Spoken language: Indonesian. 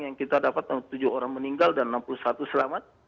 yang kita dapat tujuh orang meninggal dan enam puluh satu selamat